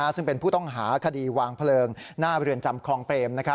ซึ่งเป็นผู้ต้องหาคดีวางเพลิงหน้าเรือนจำคลองเปรม